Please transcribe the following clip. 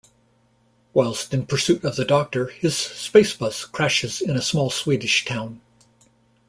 Whilst in pursuit of the doctor his space-bus crashes in a small Swedish town.